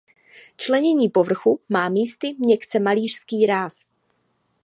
Členění povrchu má místy měkce malířský ráz.